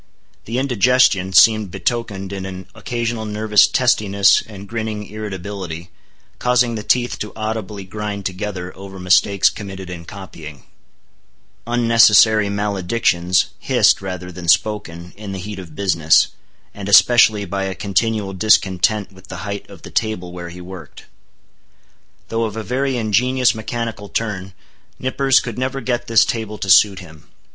The indigestion seemed betokened in an occasional nervous testiness and grinning irritability, causing the teeth to audibly grind together over mistakes committed in copying; unnecessary maledictions, hissed, rather than spoken, in the heat of business; and especially by a continual discontent with the height of the table where he worked. Though of a very ingenious mechanical turn, Nippers could never get this table to suit him.